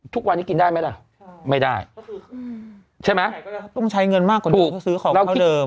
ทุกวันนี้กินได้ไหมล่ะไม่ได้ใช่ไหมต้องใช้เงินมากกว่านี้ซื้อของเท่าที่เดิม